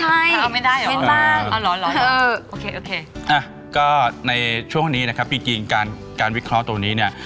อาะก็ในช่วงนี้นะครับพี่จริงการวิเคราะห์ตัวนี้เนี่ย